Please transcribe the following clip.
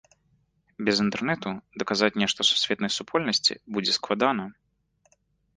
Без інтэрнэту даказаць нешта сусветнай супольнасці будзе складана.